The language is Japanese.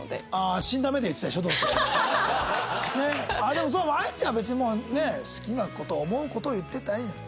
でもそう愛理ちゃんは別にもうね好きな事思う事を言っていったらいいのよ。